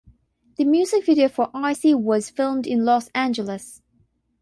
The music video for "Icy" was filmed in Los Angeles.